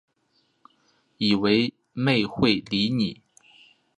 以为妹会理你